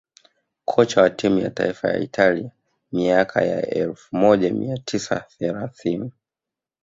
kocha wa timu ya taifa ya Italia miaka ya elfu moja mia tisa thelathini